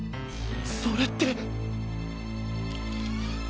それって。